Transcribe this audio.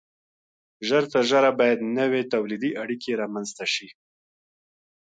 ژر تر ژره باید نوې تولیدي اړیکې رامنځته شي.